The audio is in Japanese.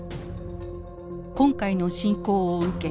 今回の侵攻を受け